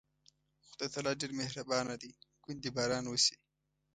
خدای تعالی ډېر مهربانه دی، ګوندې باران وشي.